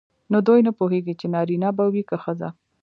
نو دوی نه پوهیږي چې نارینه به وي که ښځه.